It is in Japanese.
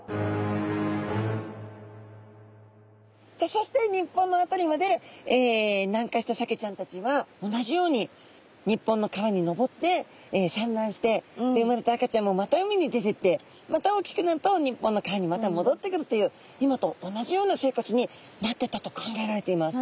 そして日本の辺りまで南下したサケちゃんたちは同じように日本の川に上ってさんらんして生まれた赤ちゃんもまた海に出ていってまた大きくなると日本の川にまたもどってくるという今と同じような生活になっていったと考えられています。